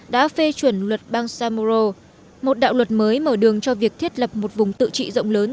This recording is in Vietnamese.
đã phê chuẩn luật bang samoro một đạo luật mới mở đường cho việc thiết lập một vùng tự trị rộng lớn